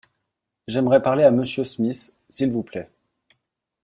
J’aimerais parler à monsieur Smith s’il vous plait.